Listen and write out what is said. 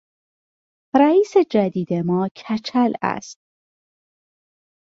رئیس جدید ما کچل است.